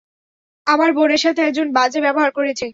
আমার বোনের সাথে একজন বাজে ব্যবহার করছে।